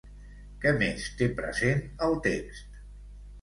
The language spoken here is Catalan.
Què més té present el text?